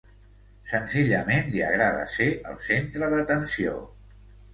Senzillament li agrada ser el centre d'atenció.